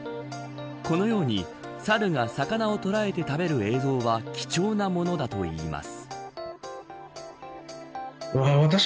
このようにサルが魚を捉えて食べる映像は貴重なものだといいます。